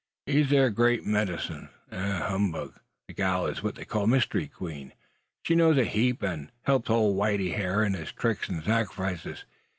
He's thur great medicine, an' humbugs the hul kit o' them. The gal is what they call Mystery Queen. She knows a heap, an' helps ole whitey hyur in his tricks an' sacrifiches.